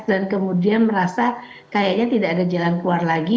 dan kemudian merasa kayaknya tidak ada jalan keluar lagi